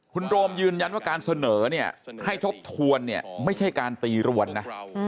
คุณโรมยืนยันว่าการเสนอเนี่ยให้ทบทวนเนี่ยไม่ใช่การตีรวนนะ